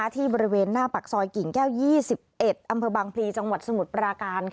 ที่บริเวณหน้าปากซอยกิ่งแก้ว๒๑อำเภอบางพลีจังหวัดสมุทรปราการ